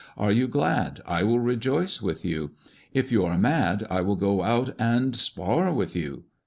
' Are you glad ? I will rejoice with you. ' If you are mad I will go out and — spar with you.